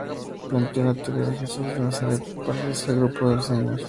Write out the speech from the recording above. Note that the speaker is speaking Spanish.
Planteó la teoría de que Jesús de Nazaret pertenecía al grupo de los esenios.